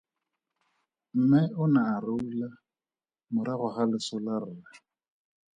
Mme o ne a roula morago ga loso la rre.